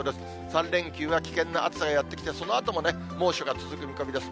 ３連休は危険な暑さがやって来て、そのあとも猛暑が続く見込みです。